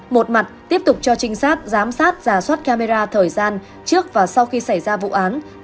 một mặt tiếp tục cho trinh sát giám sát giả soát camera thời gian trước và sau khi xảy ra vụ án